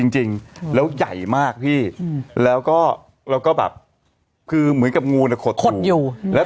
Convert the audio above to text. จริงแล้วใหญ่มากพี่แล้วก็แบบคือเหมือนกับงูน่ะขดขดอยู่แล้ว